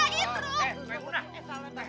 eh maimunah eh salah